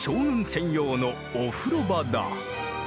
専用のお風呂場だ。